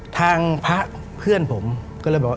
ทางพระเพื่อนผมก็เลยบอกว่า